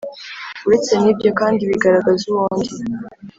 Uretse nibyo kandi bigaragaza uwondi.